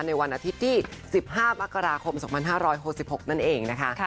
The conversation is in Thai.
ในวันอาทิตย์ที่๑๕มกราคม๒๕๖๖นั่นเองนะคะ